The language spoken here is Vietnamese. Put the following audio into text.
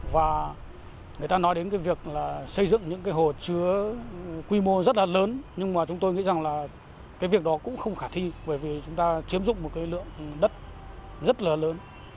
và người ta nói đến cái việc là xây dựng những cái hồ chứa quy mô rất là lớn nhưng mà chúng tôi nghĩ rằng là cái việc đó cũng không khả thi bởi vì chúng ta chiếm dụng một cái lượng đất rất là lớn